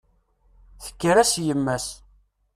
Tekker-as yemma-s.